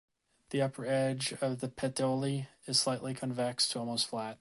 The upper edge of the petiole is slightly convex to almost flat.